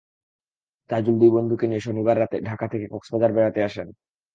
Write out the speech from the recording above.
তাজুল দুই বন্ধুকে নিয়ে শনিবার রাতে ঢাকা থেকে কক্সবাজার বেড়াতে আসেন।